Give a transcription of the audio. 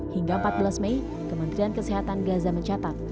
hingga empat belas mei kementerian kesehatan gaza mencatat